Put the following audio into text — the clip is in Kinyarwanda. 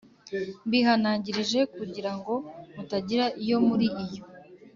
Mbihanangirije kugira ngo mutagira iyo muri iyo